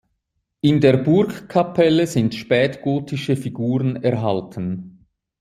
In der Burgkapelle sind spätgotische Figuren erhalten.